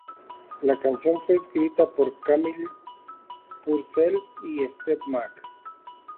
La canción fue escrita por Camille Purcell y Steve Mac.